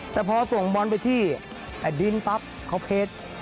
แต่พอส่งบอลไปที่แผ่นดินปั๊บเขาเทส